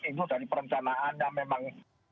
itu dari perencanaan yang memang